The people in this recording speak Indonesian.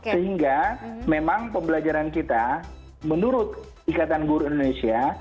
sehingga memang pembelajaran kita menurut ikatan guru indonesia